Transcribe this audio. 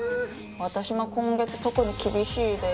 私も今月特に厳しいです。